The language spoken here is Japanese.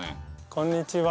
こんにちは。